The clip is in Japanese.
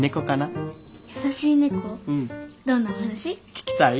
聞きたい？